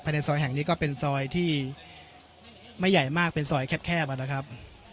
ในซอยแห่งนี้ก็เป็นซอยที่ไม่ใหญ่มากเป็นซอยแคบนะครับ